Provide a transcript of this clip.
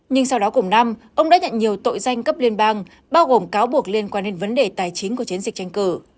nhưng sau đó cùng năm ông đã nhận nhiều tội danh cấp liên bang bao gồm cáo buộc liên quan đến vấn đề tài chính của chiến dịch tranh cử